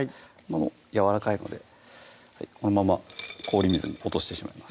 もうやわらかいのでこのまま氷水に落としてしまいます